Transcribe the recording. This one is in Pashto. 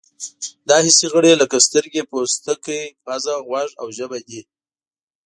دا حسي غړي لکه سترګې، پوستکی، پزه، غوږ او ژبه دي.